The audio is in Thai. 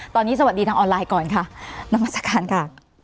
ตอนนี้สวัสดีทางออนไลน์ก่อนค่ะนามัศกาลค่ะ